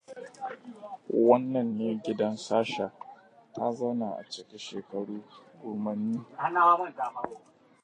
Wannan ne gidan Sasha. Ta zauna a ciki shekaru gomanni.